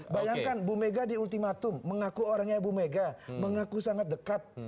bayangkan bu mega di ultimatum mengaku orangnya ibu mega mengaku sangat dekat